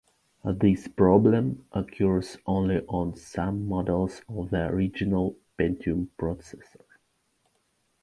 This problem occurs only on some models of the original Pentium processor.